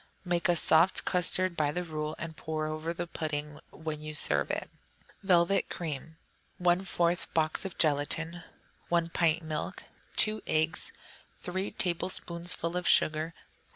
Make a soft custard by the rule, and pour around the pudding when you serve it. Velvet Cream 1/4 box of gelatine. 1 pint milk. 2 eggs. 3 tablespoonfuls of sugar.